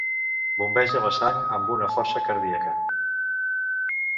Bombeja la sang amb una força cardíaca.